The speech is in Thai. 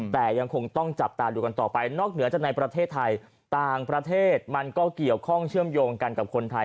แต่ยังคงต้องจับตาดูกันต่อไปนอกเหนือจากในประเทศไทยต่างประเทศมันก็เกี่ยวข้องเชื่อมโยงกันกับคนไทย